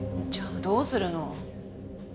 じゃあどうするの？